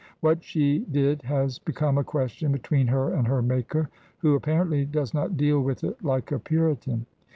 What she did has be come a questioti between her and her Maker, who ap parently does tiot deal With it like a Puritan.